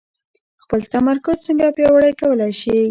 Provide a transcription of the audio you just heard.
خپل تمرکز څنګه پياوړی کولای شئ؟